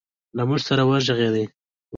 له موږ سره وغږېد